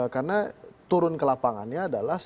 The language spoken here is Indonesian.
karena turun ke lapangannya adalah